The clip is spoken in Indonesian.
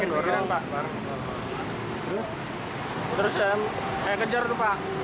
terus saya kejar itu pak